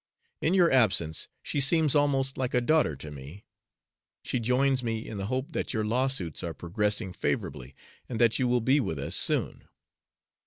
In your absence she seems almost like a daughter to me. She joins me in the hope that your lawsuits are progressing favorably, and that you will be with us soon.